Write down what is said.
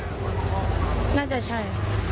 น่าจะใช่